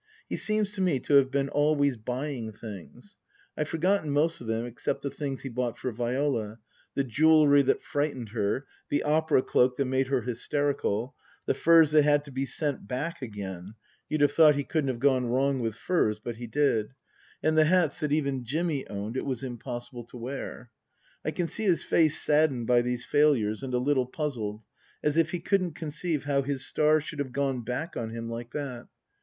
He seems to me to have been always buying things. I've forgotten most of them except the things he bought for Viola the jewellery that frightened her, the opera cloak that made her hysterical, the furs that had to be sent back again (you'd have thought he couldn't have gone wrong with furs, but he did), and the hats that even Jimmy owned it was impossible to wear. I can see his face saddened by these failures and a little puzzled, as if he couldn't con ceive how his star should have gone back on him like that.